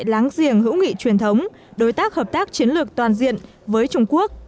láng giềng hữu nghị truyền thống đối tác hợp tác chiến lược toàn diện với trung quốc